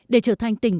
để trở thành tỉnh